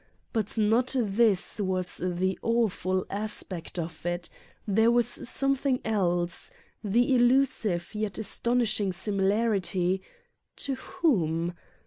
But not this was the awful aspect 35 Satan's Diary of it: There was something else: the elusive yet astonishing similarity to whom?